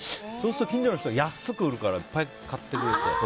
すると近所の人が安く売るからいっぱい買ってくれて。